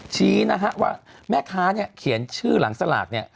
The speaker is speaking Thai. ชี้ว่าแม่ค้าเขียนชื่อหลังสลาก